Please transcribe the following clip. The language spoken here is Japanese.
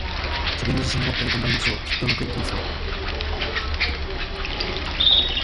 自分に自信を持って、頑張りましょう！きっと、上手くいきますわ